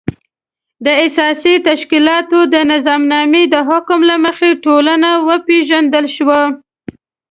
د اساسي تشکیلاتو د نظامنامې د حکم له مخې ټولنه وپېژندل شوه.